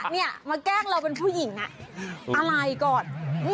เนี่ยมาแกล้งเราเป็นผู้หญิงอะไรก่อน